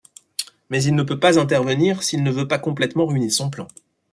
Mais il ne peut pas intervenir s'il ne veut pas complètement ruiner son plan.